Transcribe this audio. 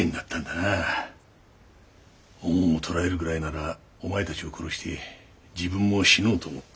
おもんをとられるぐらいならお前たちを殺して自分も死のうと思った。